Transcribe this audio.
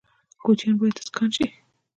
کوچیان باید اسکان شي